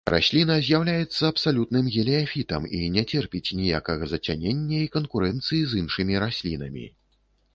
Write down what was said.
Расліна з'яўляецца абсалютным геліяфітам і не церпіць ніякага зацянення і канкурэнцыі з іншымі раслінамі.